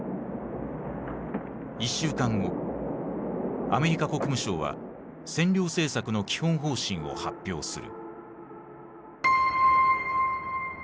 １週間後アメリカ国務省は占領政策の基本方針を発表する。